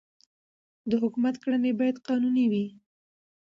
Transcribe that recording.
د حکومت کړنې باید قانوني وي